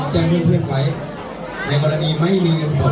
แจ้งเพื่อนเพื่อนไว้ในบรรณีไม่มีเงินตอบสิ่งตัวนะครับ